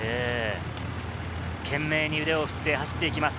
懸命に腕を振って走っていきます。